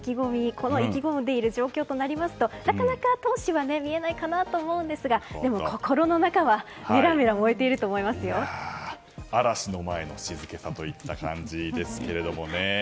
この意気込んでいる状況となりますとなかなか闘志は見えないかなと思いますが心の中は嵐の前の静けさといった感じですけれどもね。